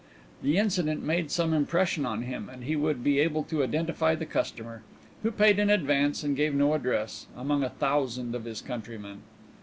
The incident made some impression on him and he would be able to identify their customer who paid in advance and gave no address among a thousand of his countrymen.